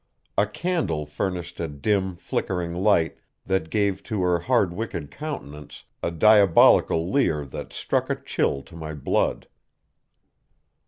A candle furnished a dim, flickering light that gave to her hard wicked countenance a diabolic leer that struck a chill to my blood.